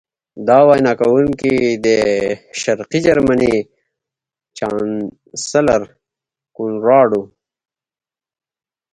دا وینا کوونکی د شرقي جرمني چانسلر کونراډ و